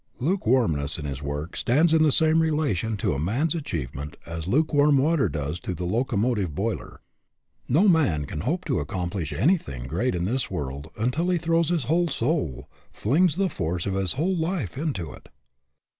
Lukewarmness in his work stands in the same relation to man's achievement as luke warm water does to the locomotive boiler. No man can hope to accomplish anything great in this world until he throws his whole soul, flings the force of his whole life, into it.